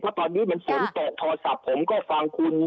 เพราะตอนนี้มันฝนตกโทรศัพท์ผมก็ฟังคุณ